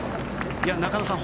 中野さん